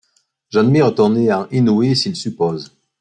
J’admire ton néant inouï s’il suppose